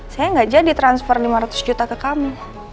saya gak jadi transfer lima ratus juta ke kamu